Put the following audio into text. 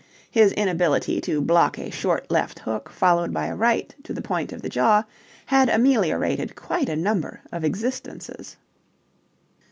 His inability to block a short left hook followed by a right to the point of the jaw had ameliorated quite a number of existences.